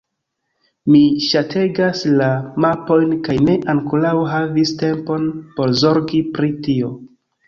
Mi ŝategas la mapojn kaj ne ankoraŭ havis tempon por zorgi pri tio.